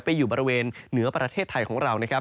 อยู่บริเวณเหนือประเทศไทยของเรานะครับ